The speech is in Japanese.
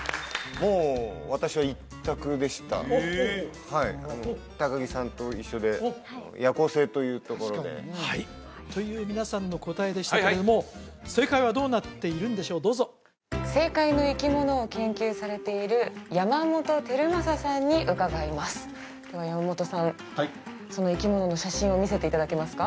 もう私は１択でしたはい高城さんと一緒で夜行性というところではいという皆さんの答えでしたけども正解はどうなっているんでしょうどうぞ正解の生き物を研究されている山本輝正さんに伺いますでは山本さんその生き物の写真を見せていただけますか？